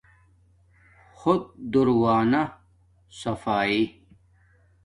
ہوہت دوݵ نہ صفایݵ